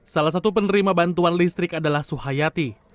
salah satu penerima bantuan listrik adalah suhayati